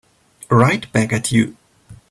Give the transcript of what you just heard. Right back at you.